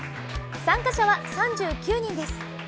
参加者は３９人です。